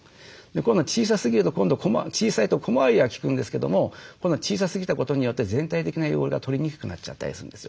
今度は小さすぎると小さいと小回りは利くんですけども今度小さすぎたことによって全体的な汚れが取りにくくなっちゃったりするんですよね。